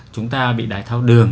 chúng ta bị đái thao đường